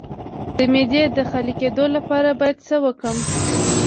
د معدې د خالي کیدو لپاره باید څه وکړم؟